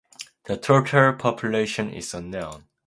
The total population is unknown.